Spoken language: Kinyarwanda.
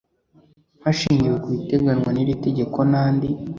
hashingiwe ku biteganywa n iri tegeko n andi